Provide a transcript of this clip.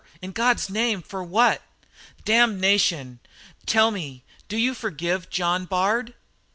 In God's name, for what?" "Damnation! Tell me; do you forgive John Bard?"